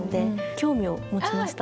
興味を持ちました。